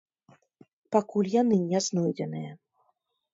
Пакуль яны не знойдзеныя.